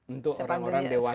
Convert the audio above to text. untuk orang orang dewasa